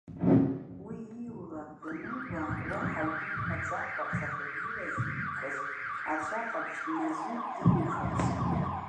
Уи ииулак данылбаа, уаҳа акгьы мҳәаӡакәа, ҵаҟа игылаз иикыз аҵәа ҟаԥшь дназыҩт имихырц.